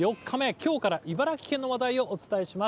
きょうから茨城県の話題をお伝えします。